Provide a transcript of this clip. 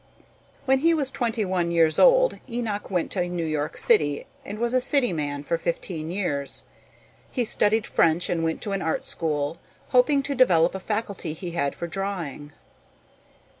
When he was twenty one years old Enoch went to New York City and was a city man for fifteen years. He studied French and went to an art school, hoping to develop a faculty he had for drawing.